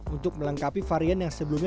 untuk melengkapi varian yang sebelumnya